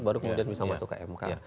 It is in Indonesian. baru kemudian bisa masuk ke mk